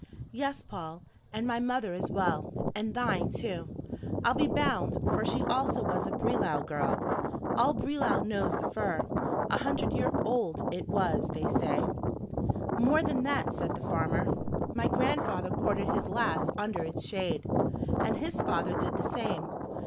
"Yes, Paul, and my mother as well; and thine too, I'll be bound, for she also was a Brelau girl. All Brelau knows the fir, a hundred years old it was, they say." "More than that," said the farmer. "My grandfather courted his lass under its shade, and his father did the same.